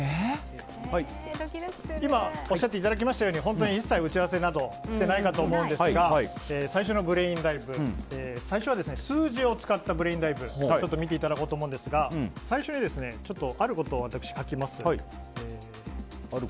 今、おっしゃっていただきましたように本当に一切の打ち合わせなどしてないんですが最初は数字を使ったブレインダイブを見ていただこうと思うんですが最初に、私があることを書きます。